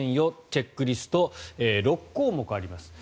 チェックリスト６項目あります。